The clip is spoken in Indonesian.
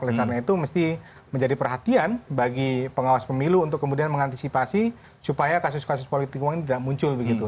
oleh karena itu mesti menjadi perhatian bagi pengawas pemilu untuk kemudian mengantisipasi supaya kasus kasus politik uang ini tidak muncul begitu